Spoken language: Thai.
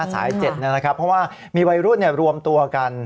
สาย๗นะครับเพราะว่ามีวัยรุ่นรวมตัวกัน